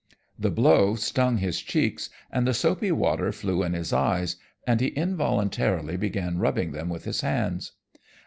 The blow stung his cheeks and the soapy water flew in his eyes, and he involuntarily began rubbing them with his hands.